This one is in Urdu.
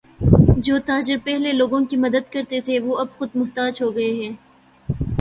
جو تاجر پہلے لوگوں کی مدد کرتے تھے وہ اب خود محتاج ہوگئے ہیں